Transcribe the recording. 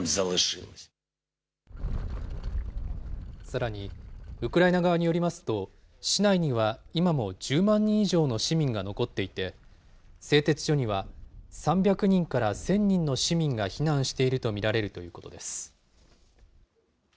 さらに、ウクライナ側によりますと、市内には今も１０万人以上の市民が残っていて、製鉄所には３００人から１０００人の市民が避難していると見られるということです。